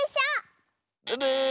ブブー！